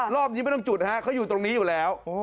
รอบนี้ไม่ต้องจุดฮะเขาอยู่ตรงนี้อยู่แล้ว